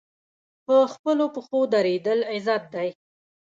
په خپلو پښو دریدل عزت دی